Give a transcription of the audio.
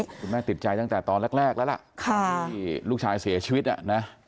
คุณแม่ติดใจตั้งแต่ตอนแรกแล้วล่ะที่ลูกชายเสียชีวิตอ่ะนะ